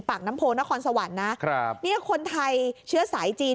ปากน้ำโพนครสวรรค์นะครับเนี่ยคนไทยเชื้อสายจีน